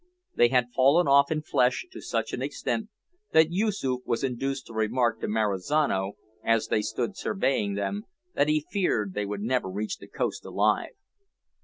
They had fallen off in flesh to such an extent that Yoosoof was induced to remark to Marizano, as they stood surveying them, that he feared they would never reach the coast alive.